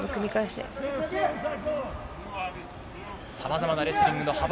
さまざまなレスリングの幅。